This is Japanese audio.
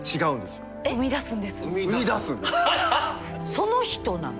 その人なの？